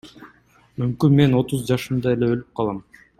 Мүмкүн мен отуз жашымда эле өлүп калам?